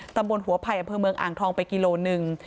ตำบลหัวไผ่อำเภอเมืองอ่างทองไปกิโลหนึ่ง